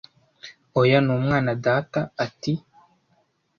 oya ni umwana data ati